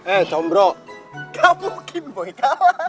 eh combro gak mungkin boi kalah